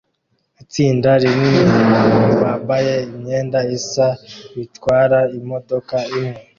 Itsinda rinini ryabantu bambaye imyenda isa batwara imodoka imwe